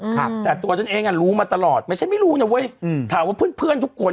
ครับแต่ตัวฉันเองอ่ะรู้มาตลอดไม่ใช่ไม่รู้นะเว้ยอืมถามว่าเพื่อนเพื่อนทุกคน